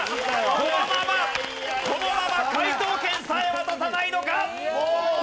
このままこのまま解答権さえ渡さないのか？